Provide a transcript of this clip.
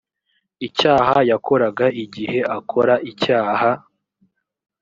icyaha yakoraga igihe akora icyaha